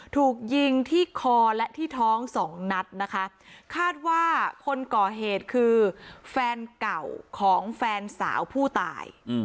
ถูกยิงที่คอและที่ท้องสองนัดนะคะคาดว่าคนก่อเหตุคือแฟนเก่าของแฟนสาวผู้ตาย